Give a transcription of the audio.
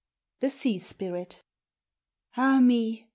THE SEA SPIRIT Ah me!